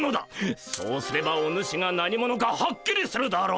そうすればお主が何者かはっきりするだろう！